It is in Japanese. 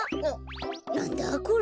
なんだこれ？